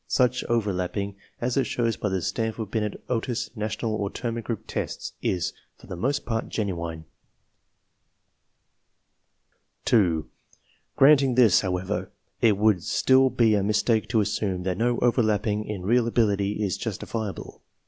Such overlapping as is shown by the Stanford Binet, Otis, National, or Terman Group tests is, for the most *4>art, genuine. (2) Granting this, however, it would still be a mis take to assume that no overlapping in real ability is jus tifiable.